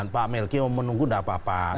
pak melki mau menunggu tidak apa apa